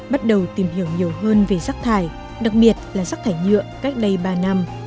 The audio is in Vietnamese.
bắt đầu tìm hiểu nhiều hơn về rác thải đặc biệt là rác thải nhựa cách đây ba năm